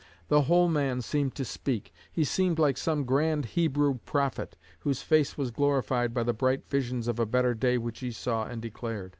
The whole man seemed to speak. He seemed like some grand Hebrew prophet, whose face was glorified by the bright visions of a better day which he saw and declared.